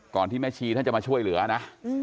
ที่แม่ชีท่านจะมาช่วยเหลือนะ